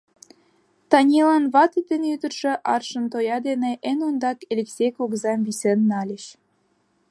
Танилан вате ден ӱдыржӧ аршын тоя дене эн ондак Элексей кугызам висен нальыч.